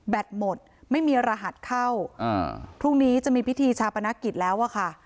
หมดไม่มีรหัสเข้าอ่าพรุ่งนี้จะมีพิธีชาปนกิจแล้วอะค่ะ